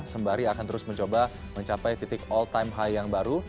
sembari akan terus mencoba mencapai titik all time high yang baru